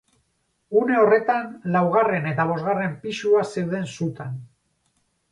Une horretan laugarren eta bosgarren pisua zeuden sutan.